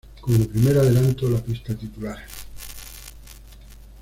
Como primer adelanto la pista titular.